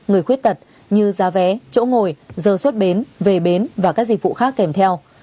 người khuyết tật như giá vé chỗ ngồi giờ xuất bến về bến và các dịch vụ khác kèm theo